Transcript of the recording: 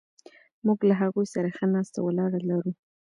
موږ له هغوی سره ښه ناسته ولاړه لرو.